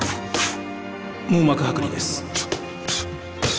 網膜剥離です。